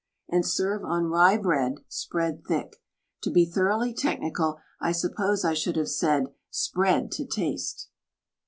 And serve on rye bread — spread thick. To be thor oughly technical, I suppose I should have said: spread to taste!